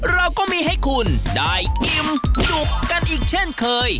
เราก็มีให้คุณได้อิ่มจุกกันอีกเช่นเคย